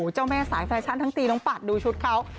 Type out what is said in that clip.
เจ้าแม่สายแฟชั่นทั้งตีน้องปัดดูชุดเขา